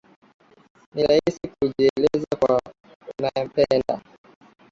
Ni rahisi kujieleza kwa unayempenda